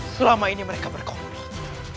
selama ini mereka berkomplot